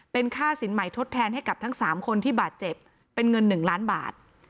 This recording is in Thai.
เป็นค่าสินใหม่ทดแทนให้กับทั้ง๓คนที่บาดเจ็บเป็นเงิน๑ล้านบาท